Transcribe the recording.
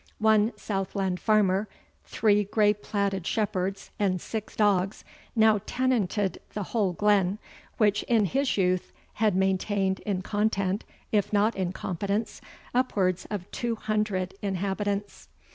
One southland farmer, three grey plaided shepherds, and six dogs, now tenanted the whole glen, which in his youth had maintained, in content, if not in competence, upwards of two hundred inhabitants.